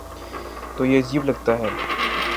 تو یہ عجیب لگتا ہے۔